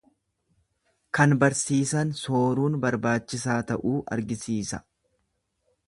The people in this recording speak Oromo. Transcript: Kan barsiisan sooruun barbaachisaa ta'uu argisiisa.